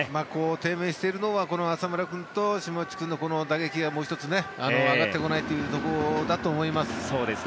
低迷しているのは浅村君と島内君の打撃がもう一つ上がってこないというところだと思います。